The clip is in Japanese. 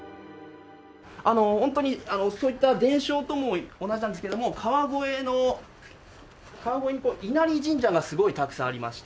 ホントにそういった伝承とも同じなんですけども川越の川越にこう稲荷神社がすごいたくさんありまして。